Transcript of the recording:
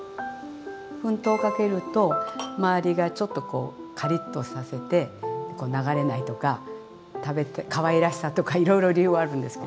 粉糖かけるとまわりがちょっとこうカリッとさせてこう流れないとか食べてかわいらしさとかいろいろ理由はあるんですけど。